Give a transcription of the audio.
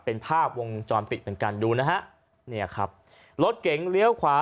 เป็นภาพวงจรปิดเหมือนกันรถเก๋งเลี้ยวขวา